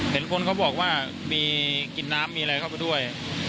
เห็นคนเขาบอกว่ามีกินน้ำมีอะไรเข้าไปด้วย